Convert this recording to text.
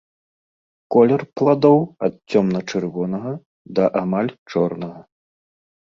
Колер пладоў ад цёмна-чырвонага да амаль чорнага.